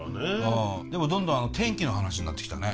でもどんどん天気の話になってきたね。